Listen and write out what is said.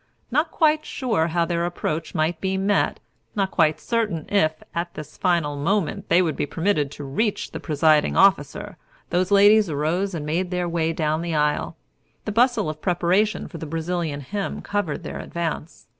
Not quite sure how their approach might be met, not quite certain if, at this final moment, they would be permitted to reach the presiding officer, those ladies arose and made their way down the aisle. The bustle of preparation for the Brazilian hymn covered their advance.